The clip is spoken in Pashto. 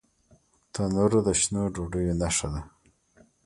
تنور د شنو ډوډیو نښه ده